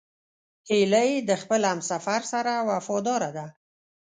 هیلۍ د خپل همسفر سره وفاداره ده